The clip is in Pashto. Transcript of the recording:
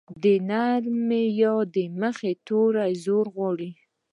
د نرمې ی د مخه توری زور غواړي.